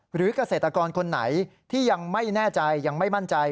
หรือเกษตรกรคนไหนที่ยังไม่แน่ใจยังไม่มั่นใจ